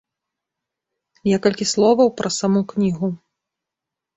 Некалькі словаў пра саму кнігу.